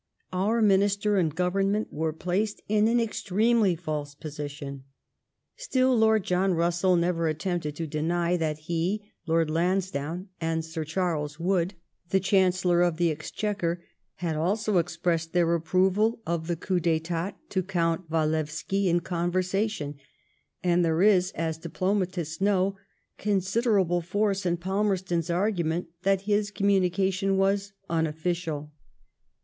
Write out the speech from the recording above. Our Minister and Government were placed in an extremely false position. Still Lord John Bussell never at^ tempted to deny that he. Lord Lansdowne, and Sir Charles Wood, the Chancellor of the Exchequer, had also expressed their approval of the coup (Fitat to Count Walewski in conversation ; and there is, as diplo matists know, considerable force in Palmerston's argu ment that his communication was " unofficial."